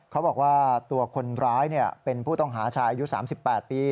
เขาบอกว่าตัวคนร้ายเป็นผู้ต้องหาชายอายุ๓๘ปี